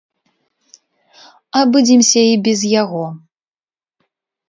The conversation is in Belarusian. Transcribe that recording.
Абыдземся і без яго.